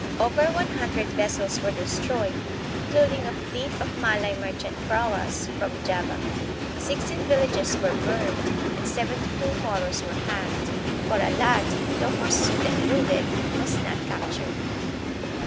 Over one hundred vessels were destroyed, including a fleet of Malay mer chant praus from Java. Sixteen villages were burned, THE DUTCH AND MORO WARS. 1600 1663. 201 and seventy two Moros were hanged. Corralat, though pursued and wounded, was not captured.